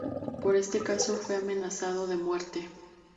Por este caso fue amenazado de muerte.